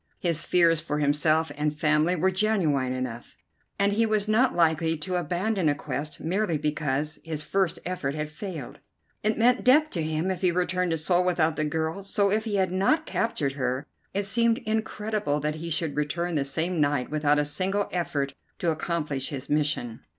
His fears for himself and family were genuine enough, and he was not likely to abandon a quest merely because his first effort had failed. It meant death to him if he returned to Seoul without the girl, so, if he had not captured her, it seemed incredible that he should return the same night without a single effort to accomplish his mission.